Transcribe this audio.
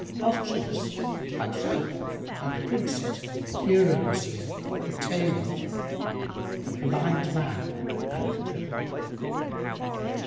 Asked Shimas, "How so?" and the Prince said, "Hear, O Wazir, the tale of The Blind Man and the Cripple.